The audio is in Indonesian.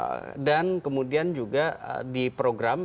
oke dan kemudian juga diprogram